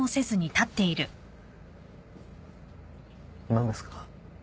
何ですか？